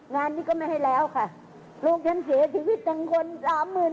งานนี้ก็ไม่ให้แล้วค่ะลูกฉันเสียชีวิตทั้งคนสามหมื่น